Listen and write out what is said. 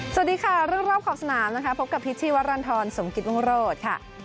สวัสดีค่ะเรื่องรอบขอบสนามนะคะพบกับพิษชีวรรณฑรสมกิตวงโรธค่ะ